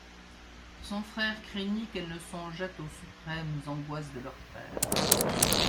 Son frère craignit qu'elle ne songeât aux suprêmes angoisses de leur père.